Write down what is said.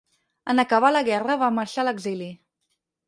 En acabar la guerra va marxar a l'exili.